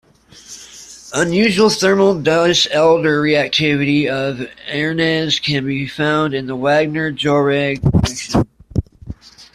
Unusual thermal Diels-Alder reactivity of arenes can be found in the Wagner-Jauregg reaction.